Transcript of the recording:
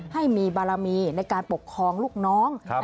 ให้มีบารมีในการปกครองลูกน้อง